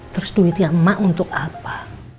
terus duitnya emak untuk apa